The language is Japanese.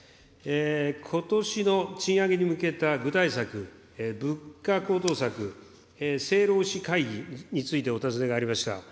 ことしの賃上げに向けた具体策、物価高騰策、政労使会議についてお尋ねがありました。